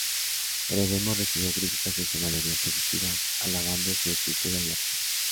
El demo recibió críticas en su mayoría positivas, alabando su escritura y arte.